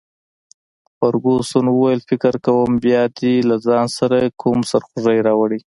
فرګوسن وویل: فکر کوم بیا دي له ځان سره کوم سرخوږی راوړی.